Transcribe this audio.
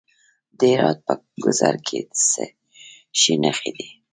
د هرات په ګذره کې د څه شي نښې دي؟